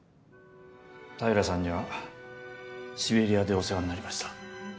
平良さんにはシベリアでお世話になりました。